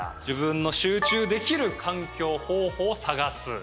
「自分の集中できる環境方法を探す」。